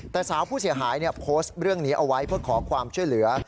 แต่สาวผู้เสียหายโพสต์เรื่องนี้เอาไว้เพื่อขอความช่วยเหลือ